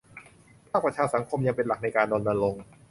ภาคประชาสังคมยังเป็นหลักในการรณรงค์